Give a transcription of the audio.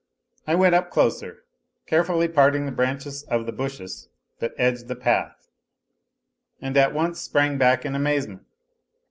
T went up closer, carefully parting the branches of the bushes that edged the path, and at once sprang back in amazement.